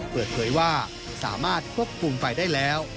เปิดเผยว่าสามารถควบคุมไฟได้แล้ว